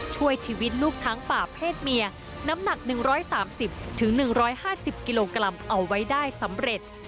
ช่วยชีวิตลูกช้างป่าเพศเมียน้ำหนัก๑๓๐๑๕๐กิโลกรัมเอาไว้ได้สำเร็จ